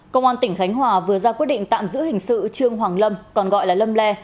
công an tỉnh khánh hòa vừa ra quyết định tạm giữ hình sự trương hoàng lâm còn gọi là lâm le